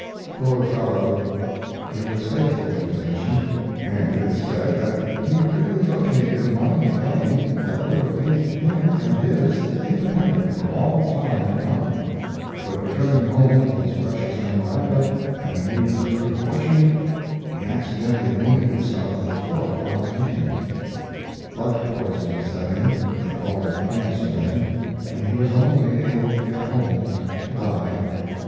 Poor fellow! He was faithful in his mission, and it is said that he really located a mining claim that would have made him and his independent for all time to come; but returning home with his precious memoranda and the news of good fortune, he accidentally wounded himself with a fork while eating; blood poisoning set in (they called it cancer then), and he was only able to get home to die.